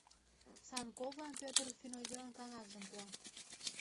— Санковлан Пӧтыр финотделын кагазшым пуа.